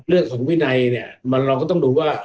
เรื่องของวินัยเนี่ยเราก็ต้องดูว่า